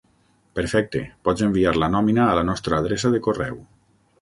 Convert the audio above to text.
Perfecte, pots enviar la nòmina a la nostra adreça de correu.